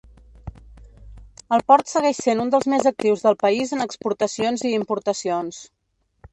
El port segueix sent un dels més actius del país en exportacions i importacions.